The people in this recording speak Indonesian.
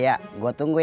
iya gua tunggu ya